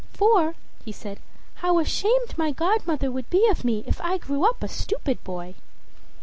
"For," he said, "how ashamed my godmother would be of me if I grew up a stupid boy!"